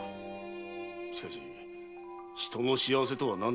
しかし人の幸せとは何なんだろう？